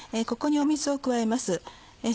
ここに水を加えます。